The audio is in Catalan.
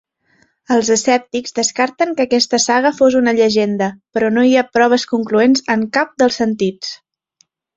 Els escèptics descarten que aquesta saga fos una llegenda, però no hi ha proves concloents en cap dels sentits.